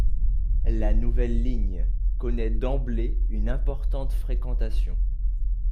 La nouvelle ligne connaît d'emblée une importante fréquentation.